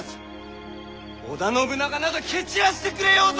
織田信長など蹴散らしてくれようぞ！